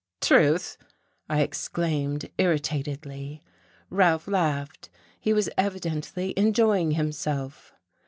"Truth!" I exclaimed irritatedly. Ralph laughed. He was evidently enjoying himself.